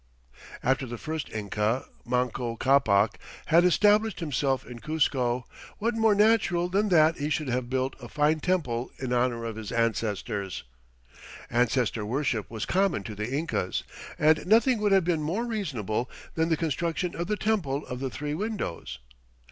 After the first Inca, Manco Ccapac, had established himself in Cuzco, what more natural than that he should have built a fine temple in honor of his ancestors. Ancestor worship was common to the Incas, and nothing would have been more reasonable than the construction of the Temple of the Three Windows.